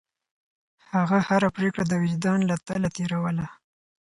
هغه هره پرېکړه د وجدان له تله تېروله.